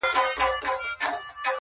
يوازي زه يمه چي ستا په حافظه کي نه يم~